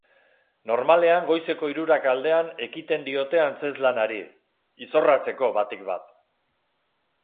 Normalean goizeko hirurak aldean ekiten diote antzezlanari, izorratzeko batik bat.